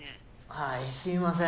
はいすいません。